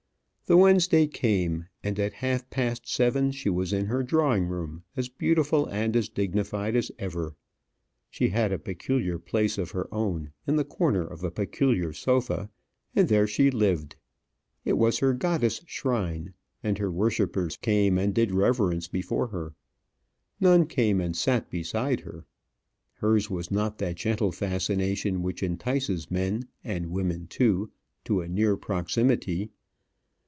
The Wednesday came, and at half past seven she was in her drawing room as beautiful and as dignified as ever. She had a peculiar place of her own in the corner of a peculiar sofa, and there she lived. It was her goddess' shrine, and her worshippers came and did reverence before her. None came and sat beside her. Hers was not that gentle fascination which entices men, and women too, to a near proximity.